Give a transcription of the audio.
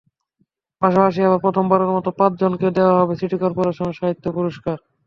পাশাপাশি এবার প্রথমবারের মতো পাঁচজনকে দেওয়া হবে সিটি করপোরেশন সাহিত্য পুরস্কার।